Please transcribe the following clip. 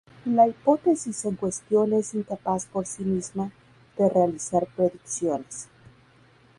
La hipótesis en cuestión es incapaz por sí misma de realizar predicciones.